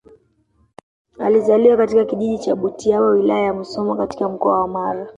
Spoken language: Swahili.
Alizaliwa katika kijiji cha Butiama Wilaya ya Musoma katika Mkoa wa Mara